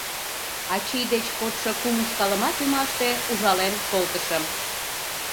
Ачий деч кодшо кум ушкалымат ӱмаште ужален колтышым.